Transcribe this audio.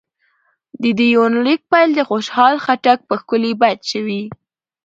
د دې يونليک پيل د خوشحال خټک په ښکلي بېت شوې